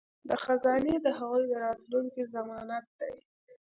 دا خزانې د هغوی د راتلونکي ضمانت دي.